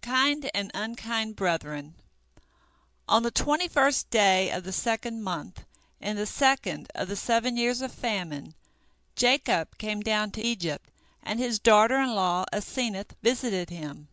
KIND AND UNKIND BRETHREN On the twenty first day of the second month in the second of the seven years of famine, Jacob came down to Egypt, and his daughter in law Asenath visited him.